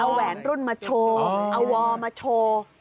เอาแหวนรุ่นมาโชว์เอาวอลมาโชว์